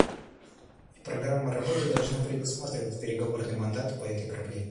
И программа работы должна предусматривать переговорный мандат по этой проблеме.